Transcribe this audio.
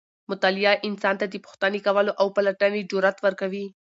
مطالعه انسان ته د پوښتنې کولو او پلټنې جرئت ورکوي.